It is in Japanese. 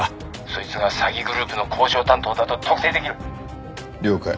「そいつが詐欺グループの交渉担当だと特定できる」了解。